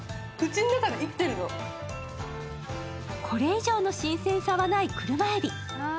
これ以上の新鮮さはない車海老。